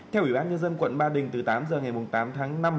theo ủy ban nhân dân quận ba đình từ tám giờ ngày tám tháng năm